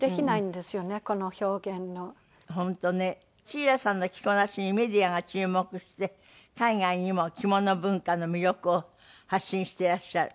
シーラさんの着こなしにメディアが注目して海外にも着物文化の魅力を発信していらっしゃる。